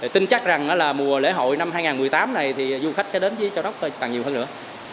tin chắc rằng là mùa lễ hội năm hai nghìn một mươi tám này thì du khách sẽ đến với châu đốc càng nhiều hơn nữa